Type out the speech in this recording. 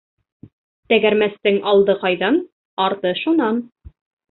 Тәгәрмәстең алды ҡайҙан, арты шунан.